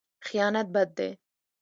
خیانت بد دی.